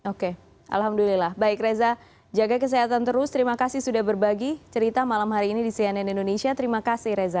oke alhamdulillah baik reza jaga kesehatan terus terima kasih sudah berbagi cerita malam hari ini di cnn indonesia terima kasih reza